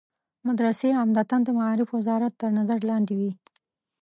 مدرسې عمدتاً د معارف وزارت تر نظر لاندې وي.